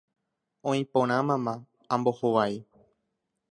Oĩ porã mama, ambohovái.